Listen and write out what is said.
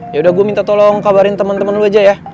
yaudah gue minta tolong kabarin temen temen lo aja ya